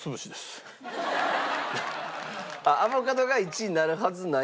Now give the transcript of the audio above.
アボカドが１位になるはずない？